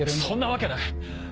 そんなわけない！